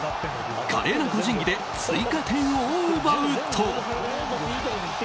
華麗な個人技で追加点を奪うと。